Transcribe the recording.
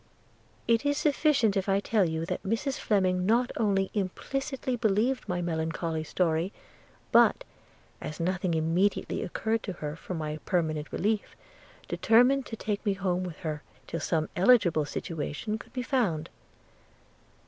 It is sufficient if I tell you that Mrs Fleming not only implicitly believed my melancholy story, but, as nothing immediately occurred to her for my permanent relief, determined to take me home with her, till some eligible situation could be found.